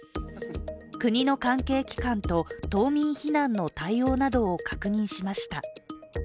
国の関係機関と島民避難の対応などを確認しました。